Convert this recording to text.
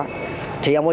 thì ông kazik là cái người